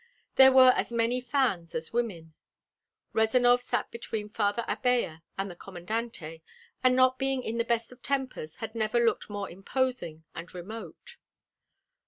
There were as many fans as women. Rezanov sat between Father Abella and the Commandante, and not being in the best of tempers had never looked more imposing and remote.